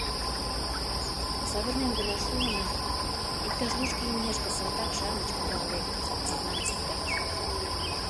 Савырнен гына шуына, иктаж лучко имнешке салтак-шамыч кудал лектыт, мемнам поктат...